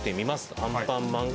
アンパンマンが。